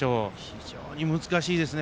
非常に難しいですよ。